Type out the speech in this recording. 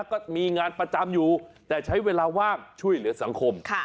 ก็มีงานประจำอยู่แต่ใช้เวลาว่างช่วยเหลือสังคม